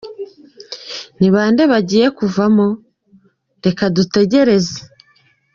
Ni bande bagiye kuvamo? Reka dutegereze.